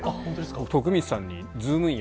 僕、徳光さんにズームイン！！